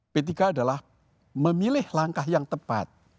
p tiga adalah memilih langkah yang tepat